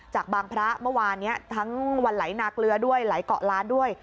จากบางพระเมื่อวานนี้ทั้งวันไหลนาเกลือด้วยไหลเกาะล้านด้วย